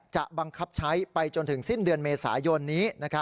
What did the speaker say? บังคับใช้ไปจนถึงสิ้นเดือนเมษายนนี้